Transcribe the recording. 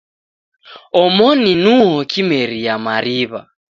Omoni nuo kimeria mariw'a.